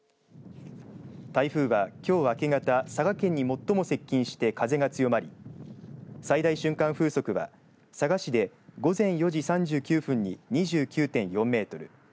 台風は、きょう明け方佐賀県に最も接近して風が強まり最大瞬間風速は佐賀市で午前４時３９分に２９．４メートル